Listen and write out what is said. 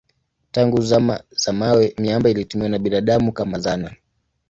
Tangu zama za mawe miamba ilitumiwa na binadamu kama zana.